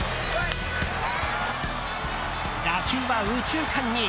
打球は右中間に。